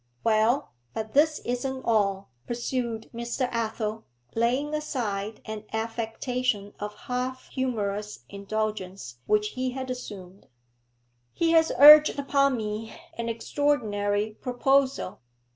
'Well, but this isn't all,' pursued Mr. Athel, laying aside an affectation of half humorous indulgence which he had assumed. 'He has urged upon me an extraordinary proposal.